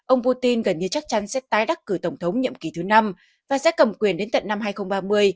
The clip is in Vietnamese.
ông putin gần như chắc chắn sẽ tái đắc cử tổng thống nhiệm kỳ thứ năm và sẽ cầm quyền đến tận năm hai nghìn ba mươi